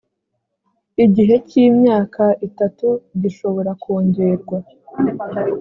igihe cy’imyaka itatu, gishobora kongerwa